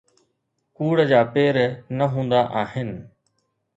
ڪوڙ جا پير نه هوندا آهن